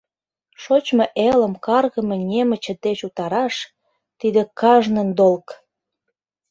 Шочмо элым каргыме немыч деч утараш — тиде кажнын долг!